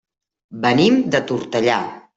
Venim de Tortellà.